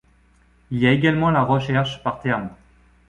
Il y a également la recherche par termes.